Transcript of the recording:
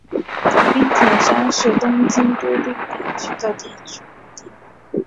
滨田山是东京都杉并区的地名。